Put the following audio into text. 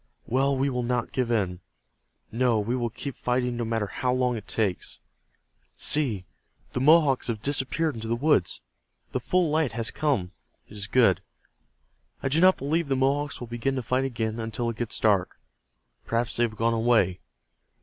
Well, we will not give in. No, we will keep fighting no matter how long it takes. See, the Mohawks have disappeared into the woods. The full light has come. It is good. I do not believe the Mohawks will begin to fight again until it gets dark. Perhaps they have gone away.